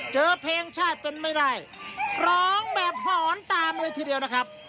เจอเพลงชาติเป็นไม่ได้ร้องแบบหอนตามเลยทีเดียวนะครับ